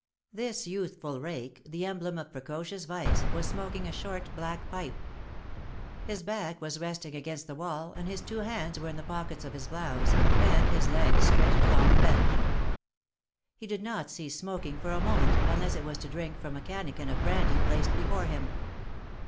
This youthful rake, the emblem of precocious vice, was smoking a short black pipe. His back was resting against the wall, and his two hands were in the pockets of his blouse, and his legs stretched along the bench. He did not cease smoking for a moment, unless it was to drink from a cannikin of brandy placed before him.